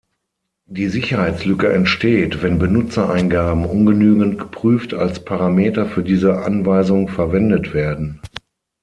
Die Sicherheitslücke entsteht, wenn Benutzereingaben ungenügend geprüft als Parameter für diese Anweisung verwendet werden.